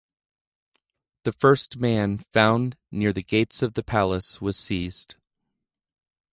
The first man found near the gates of the palace was seized.